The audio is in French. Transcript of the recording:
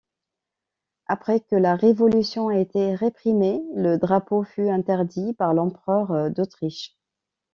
Après que la révolution a été réprimée, le drapeau fut interdit par l'Empereur d'Autriche.